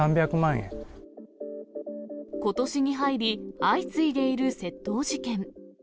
ことしに入り、相次いでいる窃盗事件。